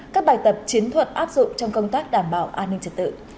các bài tập chiến thuật áp dụng trong công tác đảm bảo an ninh trật tự